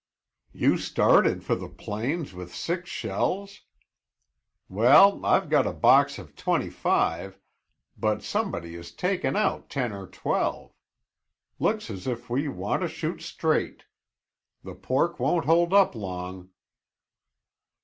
"You started for the plains with six shells! Well, I've got a box of twenty five, but somebody has taken out ten or twelve. Looks as if we want to shoot straight. The pork won't hold up long."